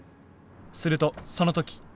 するとその時。